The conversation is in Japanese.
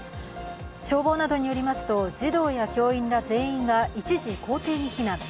消防などによりますと、児童や教員ら全員が一時校庭に避難。